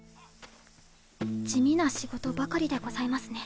地味な仕事ばかりでございますね。